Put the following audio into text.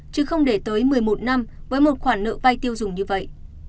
chứ không để tới một mươi một năm với một khoản nợ vay tiêu dùng như vậy